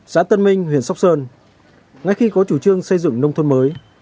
xã tân minh huyện sóc sơn ngay khi có chủ trương xây dựng nông thôn mới